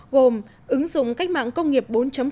gồm ứng dụng cách mạng công nghiệp bốn